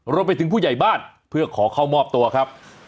รวมไปถึงผู้ใหญ่บ้านเพื่อขอเข้ามอบตัวครับ